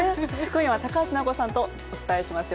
今夜は高橋尚子さんとお伝えします